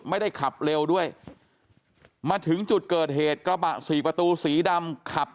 ไม่ได้ขับเร็วด้วยมาถึงจุดเกิดเหตุกระบะสี่ประตูสีดำขับ